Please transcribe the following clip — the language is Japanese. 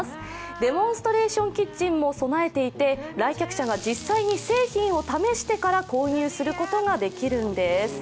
デモンストレーションキッチンも備えていて来客者が実際に製品を試してから購入することができるんです。